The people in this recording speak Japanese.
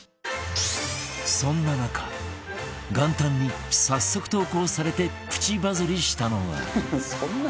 そんな中元旦に早速投稿されてプチバズりしたのは